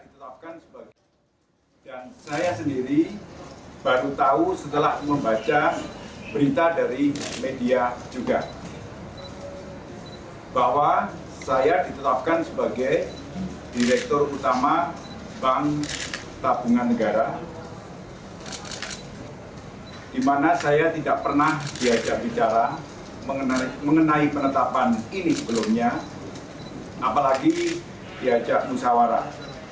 di mana saya tidak pernah diajak bicara mengenai penetapan ini sebelumnya apalagi diajak musawarah